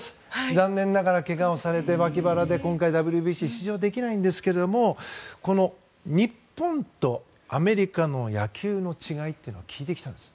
残念ながら、けがをされて脇腹で今回、ＷＢＣには出場できませんが日本とアメリカの野球の違いを聞いてきたんです。